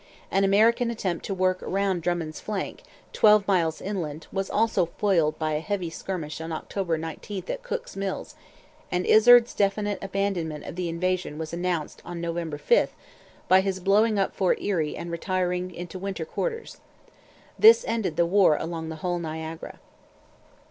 An American attempt to work round Drummond's flank, twelve miles inland, was also foiled by a heavy skirmish on October 19 at Cook's Mills; and Izard's definite abandonment of the invasion was announced on November 5 by his blowing up Fort Erie and retiring into winter quarters. This ended the war along the whole Niagara.